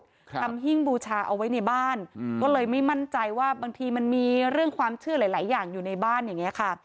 ทำหิ้งบูชาเอาไว้ในบ้านอืมก็เลยไม่มั่นใจว่าบางทีมันมีเรื่องความเชื่อหลายหลายอย่างอยู่ในบ้านอย่างเงี้ยค่ะ